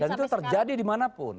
dan itu terjadi dimanapun